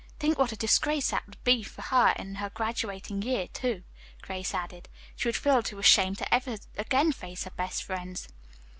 Think what a disgrace that would be for her in her graduating year, too," Grace added. "She would feel too ashamed to ever again face her best friends."